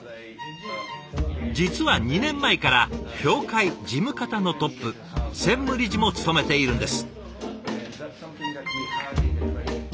実は２年前から協会事務方のトップ専務理事も務めているんです。